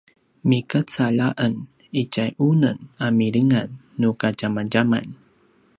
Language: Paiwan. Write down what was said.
migacalj a en itja unem a milingan nu kadjamadjaman